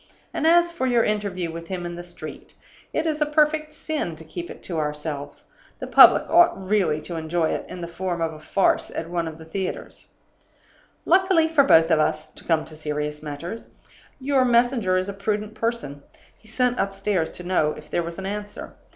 And as for your interview with him in the street, it is a perfect sin to keep it to ourselves. The public ought really to enjoy it in the form of a farce at one of the theaters. "Luckily for both of us (to come to serious matters), your messenger is a prudent person. He sent upstairs to know if there was an answer.